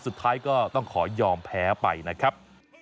สุดท้ายก็ต้องขอยอมแพ้ไปนะครับ